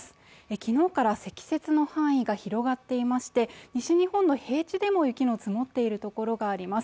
昨日から積雪の範囲が広がっていまして西日本の平地でも雪の積もっている所があります